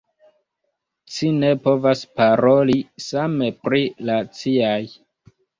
Ci ne povas paroli same pri la ciaj.